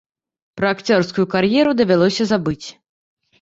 Пра акцёрскую кар'еру давялося забыць.